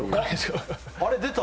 あれっ出た！